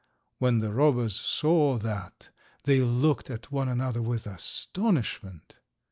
When the robbers saw that they looked at one another with astonishment.